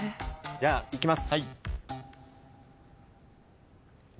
じゃあいきます。